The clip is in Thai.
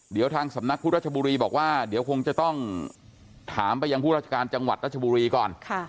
เดี๋ยวทางสำนักพุทธรัชบุรีบอกว่าเดี๋ยวคงจะต้องถามไปยังผู้ราชการจังหวัดรัชบุรีก่อน